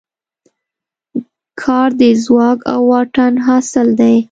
کار د ځواک او واټن حاصل دی.